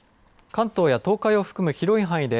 関東や東海を含む広い範囲で